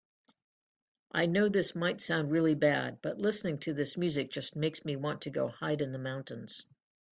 I know this might sound really bad, but listening to this music just makes me want to go hide in the mountains.